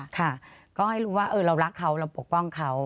ค่ะก็ให้รู้ว่าเรารักเขาเราปกป้องเขา